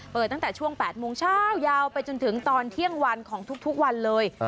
ตั้งแต่ช่วง๘โมงเช้ายาวไปจนถึงตอนเที่ยงวันของทุกวันเลย